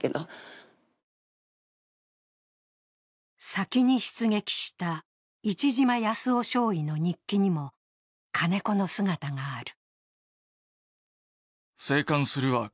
先に出撃した市島保男少尉の日記にも金子の姿がある。